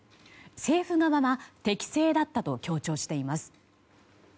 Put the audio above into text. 政府側が適正だったと強調しています。